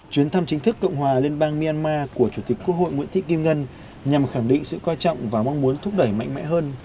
chuyến thăm chính thức cộng hòa liên bang myanmar của chủ tịch quốc hội nguyễn thị kim ngân nhằm khẳng định sự quan trọng và mong muốn thúc đẩy mạnh mẽ hơn